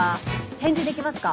返事できますか？